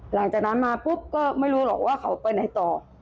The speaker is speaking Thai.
หลังจากนั้นมาปุ๊บก็ไม่รู้หรอกว่าเขาไปไหนต่อ